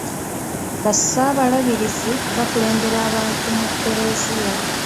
Ba ssaabalabirizi bakulembera abantu mu kereziya.